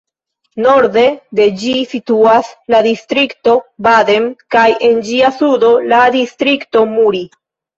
Norde de ĝi situas la distrikto Baden kaj en ĝia sudo la distrikto Muri.